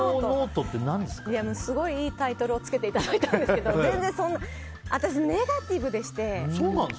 すごいいいタイトルをつけていただいたんですけど私、ネガティブでして。